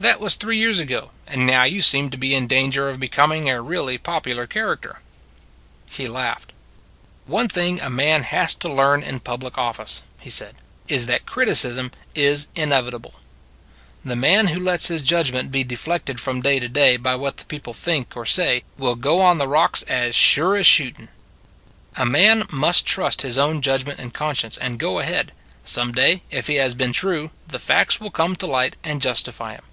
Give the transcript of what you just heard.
That was three years ago and now you seem to be in danger of becoming a really popular character." He laughed. " One thing a man has to learn in public office," he said, " is that criticism is inevi table. The man who lets his judgment be 87 88 It s a Good Old World deflected from day to day by what the peo ple think or say, will go on the rocks as sure as shooting. " A man must trust his own judgment and conscience, and go ahead. Some day, if he has been true, the facts will come to light and justify him."